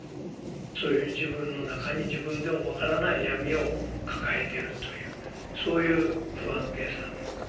そういう自分の中に自分でも分からない闇を抱えているというそういう不安定さというか。